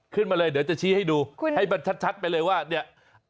ขึ้นมาเลยเดี๋ยวจะชี้ให้ดูให้มันชัดไปเลยว่าเนี่ย